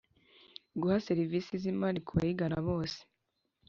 guha serivisi z imari kubayigana bose